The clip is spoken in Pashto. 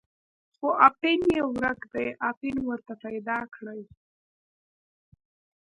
خو اپین یې ورک دی، اپین ورته پیدا کړئ.